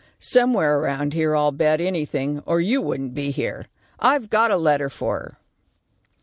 Somewhere around here, I'll bet anything, or you wouldn't be here. I've got a letter for her."